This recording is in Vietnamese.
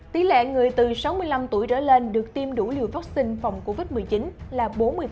tỷ lệ người từ sáu mươi năm tuổi trở lên được tiêm đủ liều vaccine phòng covid một mươi chín là bốn mươi